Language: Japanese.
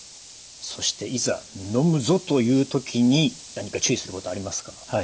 そして「いざのむぞ」という時に何か注意することありますか？